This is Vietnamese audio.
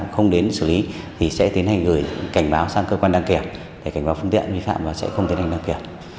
không đến xử lý thì sẽ tiến hành gửi cảnh báo sang cơ quan đăng kiểm để cảnh báo phương tiện vi phạm và sẽ không tiến hành đăng kiểm